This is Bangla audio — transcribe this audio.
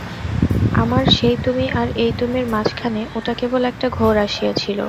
আমার সেই-তুমি আর এই-তুমির মাঝখানে ওটা কেবল একটা ঘোর আসিয়াছিল।